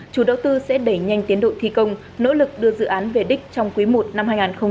chủ đầu tư sẽ đẩy nhanh tiến độ thi công nỗ lực đưa dự án về đích trong quý i năm hai nghìn hai mươi